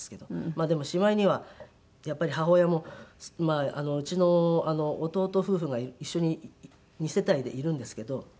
まあでもしまいにはやっぱり母親もうちの弟夫婦が一緒に２世帯でいるんですけど。